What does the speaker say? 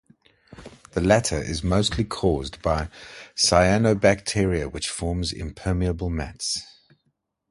The latter is mostly caused by cyanobacteria which forms impermeable mats.